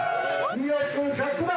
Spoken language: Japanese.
２億２００万。